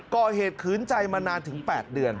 ก็เหตุขึ้นใจมานานถึง๘เดือน